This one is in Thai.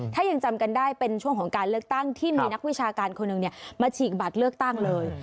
ถ้ายังจำกันได้เป็นช่วงของการเลือกตั้งที่มีนักวิชาการคนหนึ่งมาฉีกบัตรเลือกตั้งเลย